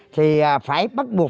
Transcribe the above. thì phải bắt buộc